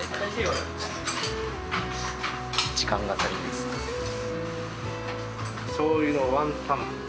しょうゆのワンタンですね。